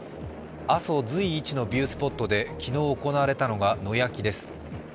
阿蘇随一のビュースポットで昨日行われたのが野焼きです。